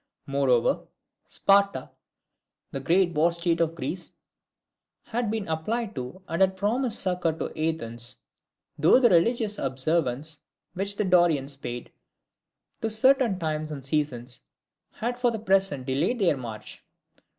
Moreover, Sparta, the great war state of Greece, had been applied to, and had promised succour to Athens, though the religious observance which the Dorians paid to certain times and seasons had for the present delayed their march.